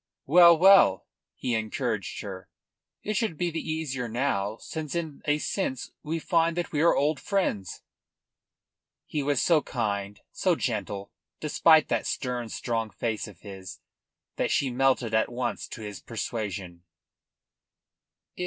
"Well, well," he encouraged her. "It should be the easier now, since in a sense we find that we are old friends." He was so kind, so gentle, despite that stern, strong face of his, that she melted at once to his persuasion.